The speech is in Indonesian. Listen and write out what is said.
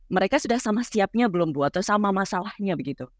mereka sudah sama siapnya belum bu atau sama masalahnya begitu